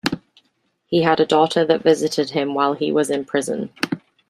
He had a daughter that visited him while he was in prison.